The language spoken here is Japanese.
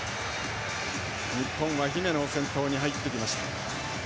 日本は姫野を先頭に入ってきました。